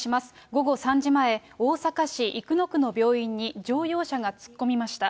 午後３時前、大阪市生野区の病院に乗用車が突っ込みました。